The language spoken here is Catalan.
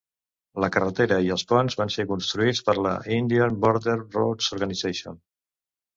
La carretera i els ponts van ser construïts per la "Indian Border Roads Organisation".